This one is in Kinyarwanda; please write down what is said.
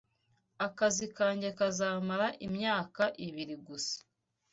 Akazi kanjye kazamara imyaka ibiri gusa